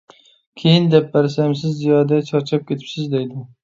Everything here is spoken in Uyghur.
كېيىن دەپ بەرسەم، سىز زىيادە چارچاپ كېتىپسىز دەيدۇ.